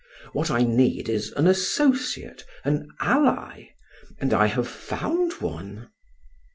What I need is an associate, an ally, and I have found one!"